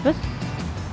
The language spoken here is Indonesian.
tekan yang ini